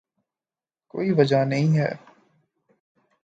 کوئی وجہ نہیں ہے۔